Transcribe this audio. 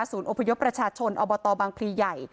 อพยพประชาชนอบตบางพลีใหญ่